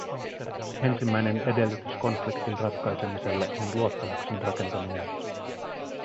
Ensimmäinen edellytys konfliktin ratkaisemiselle on luottamuksen rakentaminen.